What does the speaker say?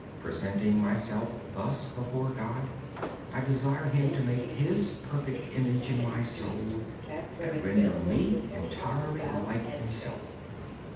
Presenting myself thus before God, I desire Him to make His perfect image in my soul and render me entirely like Himself.